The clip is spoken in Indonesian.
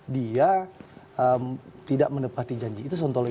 dia tidak menepati janji itu sontoloyo